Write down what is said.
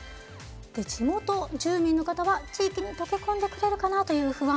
地元住民の方は地域に溶け込んでくれるかなという不安。